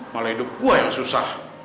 malah hidup gua yang susah